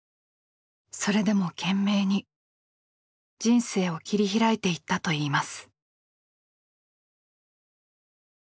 それでも懸命に人生を切り開いていったといいます。